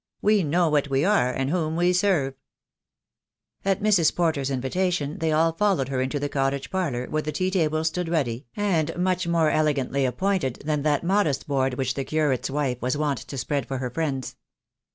We know what we are, and whom we serve." At Mrs. Porter's invitation they all followed her into the cottage parlour, where the tea table stood ready, and much more elegantly appointed than that modest board which the curate's wife was wont to spread for her friends.